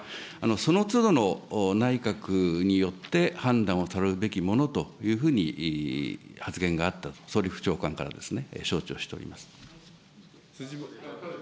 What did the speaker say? そのつどの内閣によって判断をされるべきものというふうに発言があったと、総理府長官から、承知をしております。